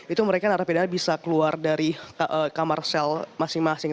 itu mereka narapidana bisa keluar dari kamar sel masing masing